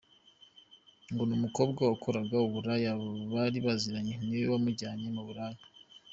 Ngo umukobwa wakoraga uburaya bari baziranye niwe wamujyanye mu buraya.